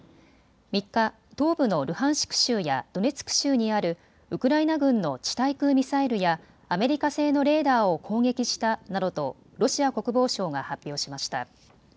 ３日、東部のルハンシク州やドネツク州にあるウクライナ軍の地対空ミサイルやアメリカ製のレーダーを攻撃したなどとロシア国防省が発表しました。